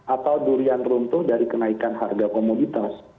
atau durian runtuh dari kenaikan harga komoditas